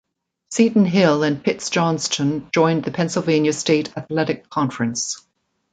Seton Hill and Pitt-Johnstown joined the Pennsylvania State Athletic Conference.